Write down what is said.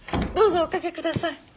どうぞおかけください。